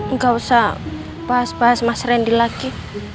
nggak usah pas bahas mas randy lagi